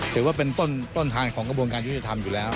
ถือว่าเป็นต้นทางของกระบวนการยุทธิธรรมอยู่แล้ว